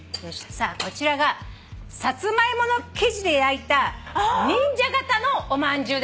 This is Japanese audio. さあこちらがサツマイモの生地で焼いた忍者形のおまんじゅうでございます。